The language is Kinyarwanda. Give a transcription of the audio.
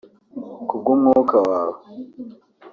Kubw’Umwuka wawe